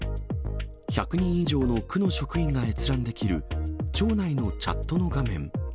１００人以上の区の職員が閲覧できる、庁内のチャットの画面。